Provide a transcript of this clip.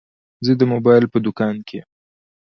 زه د موبایل په دوکان کي یم.